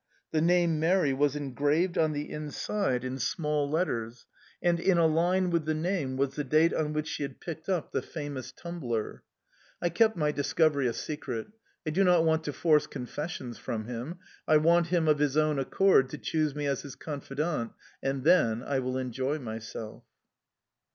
The name Mary was engraved on the inside in small letters, and in a line with the name was the date on which she had picked up the famous tumbler. I kept my discovery a secret. I do not want to force confessions from him, I want him, of his own accord, to choose me as his confidant and then I will enjoy myself!...